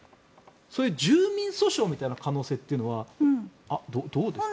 そういう住民訴訟みたいな可能性というのはどうですか？